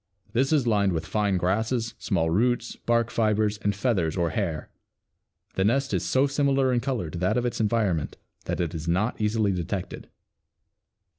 This is lined with fine grasses, small roots, bark fibers and feathers or hair. The nest is so similar in color to that of its environment that it is not easily detected.